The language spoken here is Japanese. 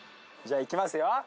じゃあいきますよ。